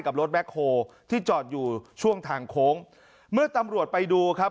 รถแบ็คโฮที่จอดอยู่ช่วงทางโค้งเมื่อตำรวจไปดูครับ